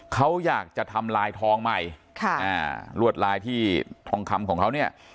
เขาอยากจะทำลายทองใหม่ค่ะอ่าลวดลายที่ทองคำของเขาเนี่ย